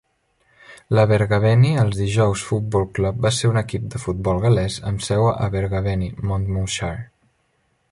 L'Abergavenny els dijous Football Club va ser un equip de Futbol gal·lès amb seu a Abergavenny, Monmouthshire.